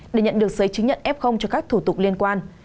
để nhận được giấy chứng nhận f cho các thủ tục liên quan